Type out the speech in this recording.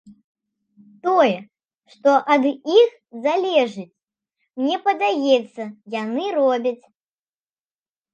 Тое, што ад іх залежыць, мне падаецца, яны робяць.